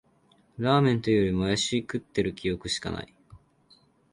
ラーメンというより、もやし食ってる記憶しかない